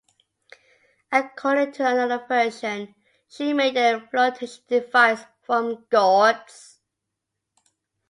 According to another version, she made a flotation device from gourds.